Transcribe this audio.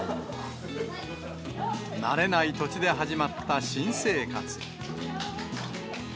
慣れない土地で始まった新生活。